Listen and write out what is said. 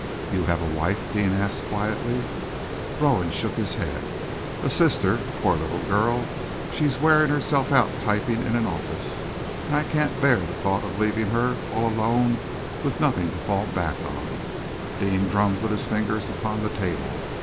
"You have a wife?" Deane asked quietly. Rowan shook his head. "A sister. Poor little girl, she's wearing herself out typing in an office, and I can't bear the thought of leaving her all alone with nothing to fall back upon." Deane drummed with his fingers upon the table.